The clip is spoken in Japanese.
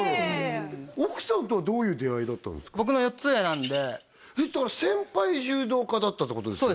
奥さんとはどういう出会いだったんですかだから先輩柔道家だったってことですよね？